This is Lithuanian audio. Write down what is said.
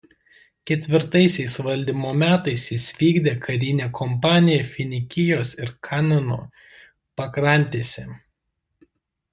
Ketvirtaisiais valdymo metais jis vykdė karinę kampaniją Finikijos ir Kanaano pakrantėse.